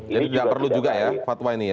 jadi tidak perlu juga ya fatwa ini ya